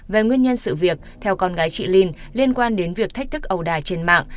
về nguyên nhân sự việc theo con gái chị linh liên quan đến việc thách thức ầu đà trên mạng